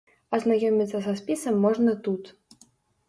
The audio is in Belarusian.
Азнаёміцца са спісам можна тут.